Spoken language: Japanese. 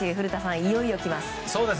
いよいよきます。